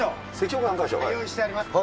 はい用意してあります。